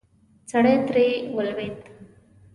سړی ترې ولوېد.